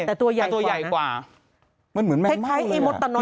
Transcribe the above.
แต่ตัวใหญ่กว่านะแต่ตัวใหญ่กว่ามันเหมือนแมงเม่าเลยอ่ะ